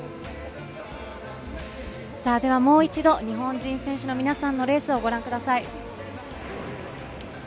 ではもう一度、日本人選手の皆さんのレースをご覧ください。